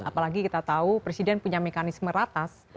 apalagi kita tahu presiden punya mekanisme ratas